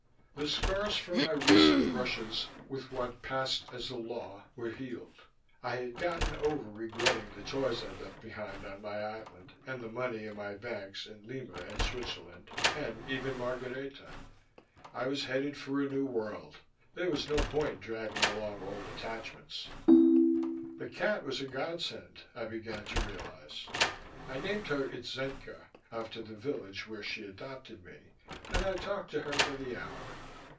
The scars from my recent brushes with what passed as the law were healed. I had gotten over regretting the toys I'd left behind on my island and the money in my banks in Lima and Switzerland, and even Margareta. I was headed for a new world; there was no point in dragging along old attachments. The cat was a godsend, I began to realize. I named her Itzenca, after the village where she adopted me, and I talked to her by the hour.